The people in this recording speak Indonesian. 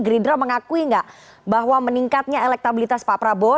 gerindra mengakui nggak bahwa meningkatnya elektabilitas pak prabowo